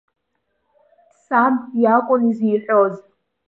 Саб иакәын изеиҳәоз.